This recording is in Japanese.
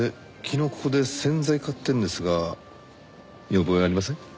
昨日ここで洗剤買ってるんですが見覚えありません？